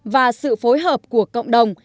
và sự phối hợp của cộng đồng